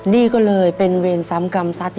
นี่ก็เลยเป็นเวรซ้ำกรรมสัตว์